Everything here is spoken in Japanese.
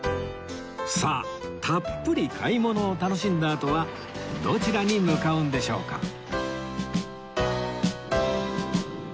さあたっぷり買い物を楽しんだあとはどちらに向かうんでしょうか？